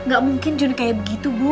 gak mungkin jun kayak begitu bu